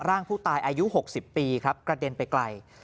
ร่างผู้ตายอายุ๖๐ปีครับกระเด็นไปไกล